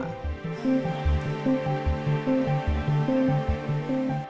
kau pemerik yang mahal langsung